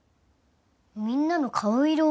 みんなの顔色を？